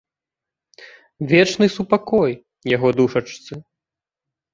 Вечны супакой яго душачцы!